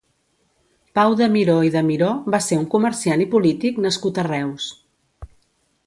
Pau de Miró i de Miró va ser un comerciant i polític nascut a Reus.